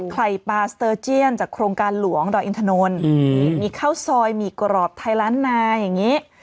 ไข่ปลาสเตอร์เจียนจากโครงการหลวงดอยอินทนนมีข้าวซอยหมี่กรอบไทยล้านนาอย่างนี้